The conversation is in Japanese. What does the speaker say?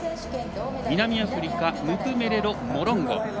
南アフリカムプメレロ・モロンゴ。